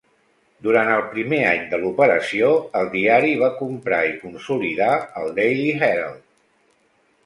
Durant el primer any de l'operació, el diari va comprar i consolidar el "Daily Herald".